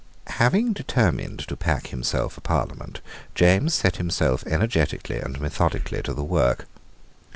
Having determined to pack a Parliament, James set himself energetically and methodically to the work.